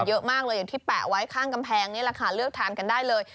เยอะมากเลยอย่างที่แปะไว้ข้างกำแพงนี่แหละค่ะเลือกทานกันได้เลย